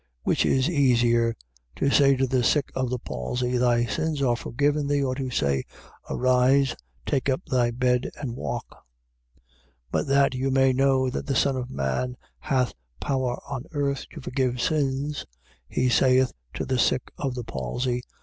2:9. Which is easier, to say to the sick of the palsy: Thy sins are forgiven thee; or to say: Arise, take up thy bed and walk? 2:10. But that you may know that the Son of man hath power on earth to forgive sins (he saith to the sick of the palsy): 2:11.